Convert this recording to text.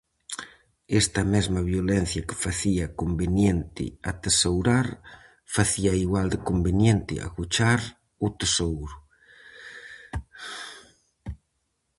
Esta mesma violencia que facía conveniente atesourar, facía igual de conveniente agochar o tesouro.